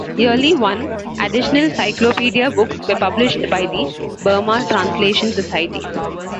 Yearly one additional cyclopedia books were published by the Burma Translation Society.